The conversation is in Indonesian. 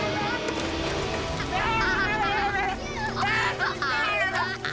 pak aduh aparah aparah